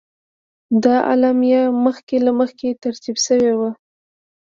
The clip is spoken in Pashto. دا اعلامیه مخکې له مخکې ترتیب شوې وه.